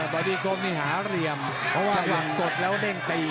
พอดีกลมนี่หาเหลี่ยมเพราะว่ากดแล้วเด้งตี